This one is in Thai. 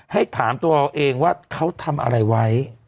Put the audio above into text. ให้ถามตัวเราเองว่าเขาทำอะไรไว้